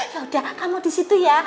yaudah kamu disitu ya